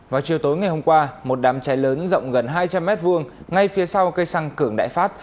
vào chiều tối ngày hôm qua một đám cháy lớn rộng gần hai trăm linh m hai ngay phía sau cây xăng cường đại phát